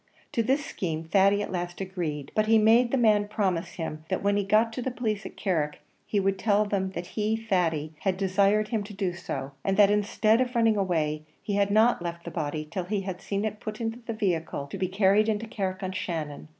To this scheme Thady at last agreed; but he made the man promise him, that when he got to the police at Carrick he would tell them that he, Thady, had desired him to do so; and that, instead of running away, he had not left the body till he had seen it put into the vehicle, to be carried into Carrick on Shannon.